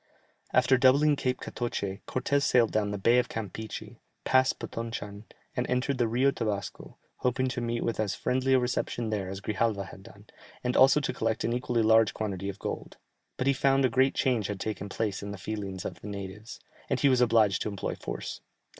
After doubling Cape Catoche, Cortès sailed down the Bay of Campeachy, passed Potonchan, and entered the Rio Tabasco, hoping to meet with as friendly a reception there as Grijalva had done, and also to collect an equally large quantity of gold; but he found a great change had taken place in the feelings of the natives, and he was obliged to employ force.